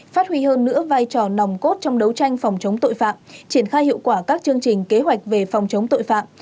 phát huy hơn nữa vai trò nòng cốt trong đấu tranh phòng chống tội phạm triển khai hiệu quả các chương trình kế hoạch về phòng chống tội phạm